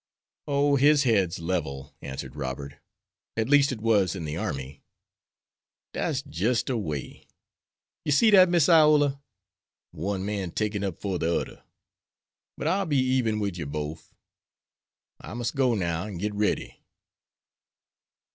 "Oh, his head's level," answered Robert; "at least it was in the army." "Dat's jis' de way; you see dat, Miss Iola? One man takin' up for de oder. But I'll be eben wid you bof. I must go now an' git ready."